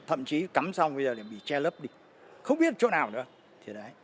thậm chí cắm xong bây giờ để bị che lấp đi không biết chỗ nào nữa